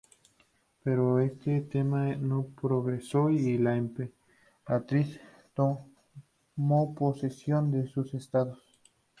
Pero este tema no progresó y la emperatriz tomó posesión de sus estados.